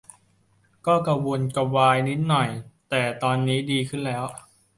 ก็กระวนกระวายนิดหน่อย แต่ตอนนี้ดีขึ้นแล้ว